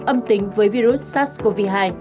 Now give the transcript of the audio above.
âm tính với virus sars cov hai